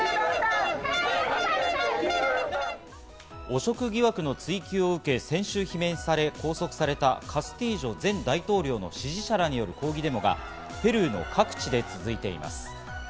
汚職疑惑の追及を受け、先週罷免され拘束されたカスティージョ前大統領の支持者らによる抗議デモがペルーの各地で続いています。